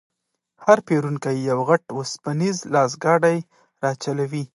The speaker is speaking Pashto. هر پېرونکی یو غټ وسپنیز لاسګاډی راچلوي.